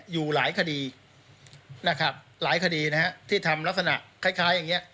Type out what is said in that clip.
อยู่หลายคดีนะครับหลายคดีนะฮะที่ทำลักษณะคล้ายอย่างนี้